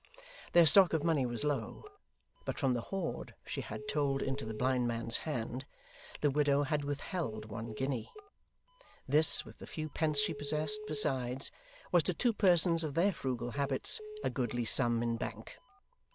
Their stock of money was low, but from the hoard she had told into the blind man's hand, the widow had withheld one guinea. This, with the few pence she possessed besides, was to two persons of their frugal habits, a goodly sum in bank.